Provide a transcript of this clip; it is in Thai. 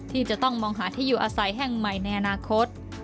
ที่จะต้องมองหาที่อยู่อาศัยแห่งใหม่ในอนาคต